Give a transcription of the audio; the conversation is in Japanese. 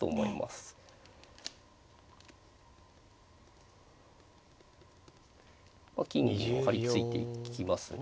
ここは金銀を張り付いていきますね